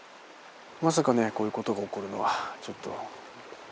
まさかねこういうことが起こるのはちょっと。